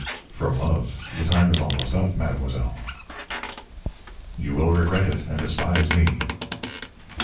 "From love. The time is almost up, mademoiselle." "You will regret it, and despise me."